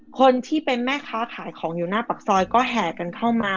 คนที่เป็นแม่ค้าขายของอยู่หน้าปากซอยก็แห่กันเข้ามา